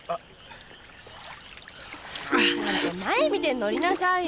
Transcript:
ちゃんと前見て乗りなさいよ。